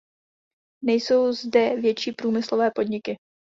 Nejsou zde větší průmyslové podniky.